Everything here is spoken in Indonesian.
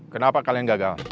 kenapa kalian gagal